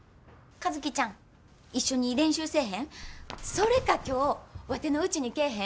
それか今日ワテのうちに来えへん？